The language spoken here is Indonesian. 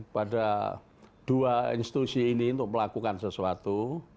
pada dua institusi ini untuk melakukan sesuatu